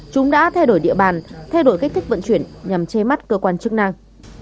chúng đã thay đổi địa bàn thay đổi cách thích vận chuyển nhằm chê mắt cơ quan chức năng